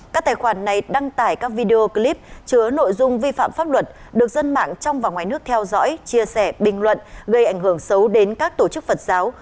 các tài khoản này đăng tải các video clip chứa nội dung vi phạm pháp luật được dân mạng trong và ngoài nước theo dõi chia sẻ bình luận gây ảnh hưởng xấu đến các tổ chức phật giáo